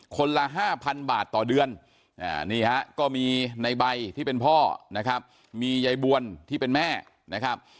คนละ๕๐๐๐บาทต่อเดือนนี่ฮะก็มีในใบที่เป็นพ่อนะครับมียายบวนที่เป็นแม่นะครับ